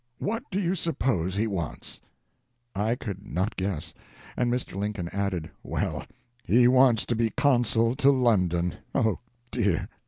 What do you suppose he wants?" I could not guess, and Mr. Lincoln added, "well, he wants to be consul to London. Oh, dear!"